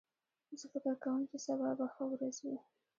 زه فکر کوم چې سبا به ښه ورځ وي